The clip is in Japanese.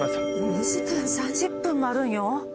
５時間３０分もあるんよ？